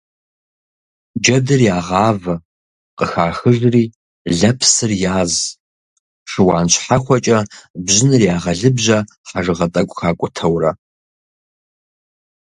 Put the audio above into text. Джэдыр ягъавэ къыхахыжри лэпсыр яз, шыуан щхьэхуэкӀэ бжьыныр ягъэлыбжьэ, хьэжыгъэ тӀэкӀу хакӀутэурэ.